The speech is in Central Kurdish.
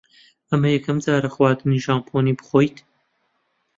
ئەمە یەکەم جارە خواردنی ژاپۆنی بخۆیت؟